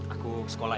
aku ke sekolah ya